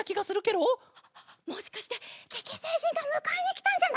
もしかしてケケせいじんがむかえにきたんじゃない？